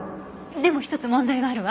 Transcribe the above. でも１つ問題があるわ。